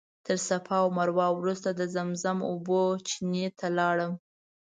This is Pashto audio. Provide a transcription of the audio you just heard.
تر صفا او مروه وروسته د زمزم اوبو چینې ته لاړم.